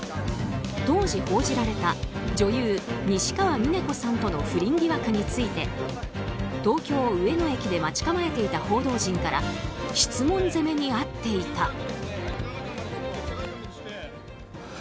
当時、報じられた女優・仁支川峰子さんとの不倫疑惑について東京・上野駅で待ち構えていた報道陣から質問攻めに遭っていた。